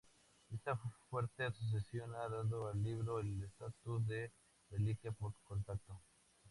Esta fuerte asociación ha dado al libro el estatus de reliquia por contacto.